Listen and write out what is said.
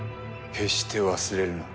「決して忘れるな」